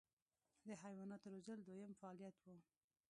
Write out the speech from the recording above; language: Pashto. د حیواناتو روزل دویم فعالیت و.